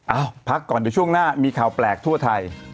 พักก่อนเดี๋ยวช่วงหน้ามีข่าวแปลกทั่วไทย